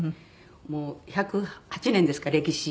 もう１０８年ですか歴史。